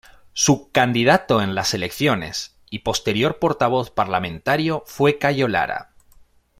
Su candidato en las elecciones y posterior portavoz parlamentario fue Cayo Lara.